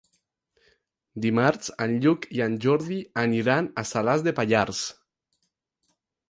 Dimarts en Lluc i en Jordi aniran a Salàs de Pallars.